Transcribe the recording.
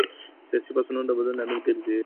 سياسي پاڅونونه د بدلون لامل ګرځي.